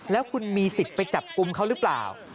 แล้วคุณมีสิทธิ์ไปจับกลุ่มเขาหรือเปล่า